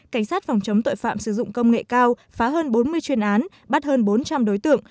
cảnh sát phòng chống tội phạm sử dụng công nghệ cao phá hơn bốn mươi chuyên án bắt hơn bốn trăm linh đối tượng